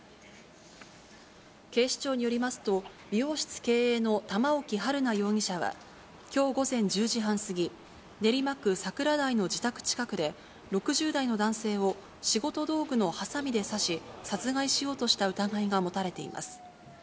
警視庁によりますと、美容室経営の玉置春奈容疑者はきょう午前１０時半過ぎ、練馬区桜台の自宅近くで、６０代の男性を仕事道具のはさみで刺し、殺害しようとした疑いが持たれています。